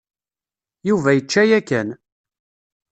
Yuba yečča yakan.